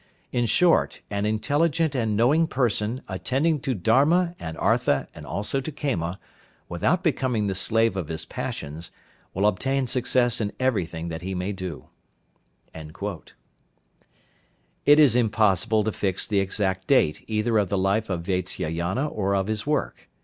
In short, an intelligent and knowing person, attending to Dharma and Artha and also to Kama, without becoming the slave of his passions, will obtain success in everything that he may do." It is impossible to fix the exact date either of the life of Vatsyayana or of his work.